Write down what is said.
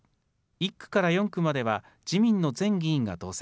１区から４区までは、自民の前議員が当選。